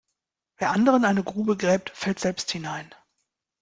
Wer anderen eine Grube gräbt fällt selbst hinein.